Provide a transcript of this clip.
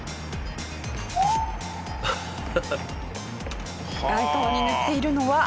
ハハハハッ。